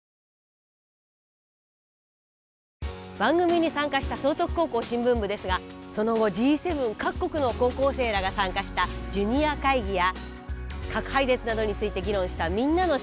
番組に参加した崇徳高校新聞部ですがその後Ｇ７各国の高校生らが参加したジュニア会議や核廃絶などについて議論した「みんなの市民サミット」を取材。